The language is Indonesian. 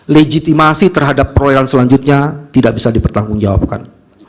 legitimasi terhadap proyek selanjutnya tidak bisa dipertanggungjawabkan